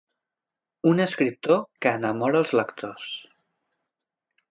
Un escriptor que enamora els lectors.